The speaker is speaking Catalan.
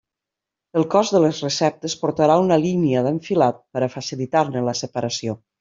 El cos de les receptes portarà una línia d'enfilat per a facilitar-ne la separació.